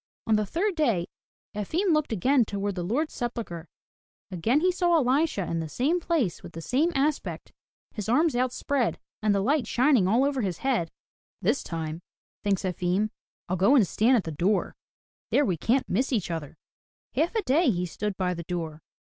On the third day Efim looked again toward the Lord's sepul chre; again he saw Elisha in the same place with the same aspect, his arms outspread, and the light shining all over his head. 167 M Y BOOK HOUSE "This time," thinks Efim, "Fll go and stand at the door. There we can't miss each other/* Half a day he stood by the door.